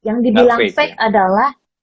yang dibilang fake adalah